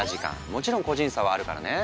もちろん個人差はあるからね。